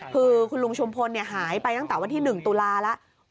คือคุณลุงชุมพลหายไปตั้งแต่วันที่๑ตุลาแล้ว